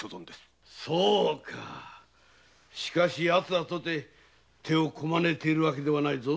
しかし奴らとて手をこまねいているわけではないぞ。